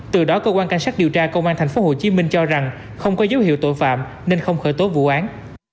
từ đó cơ quan cảnh sát điều tra công an tp hcm cho rằng không có dấu hiệu tội phạm nên không khởi tố vụ án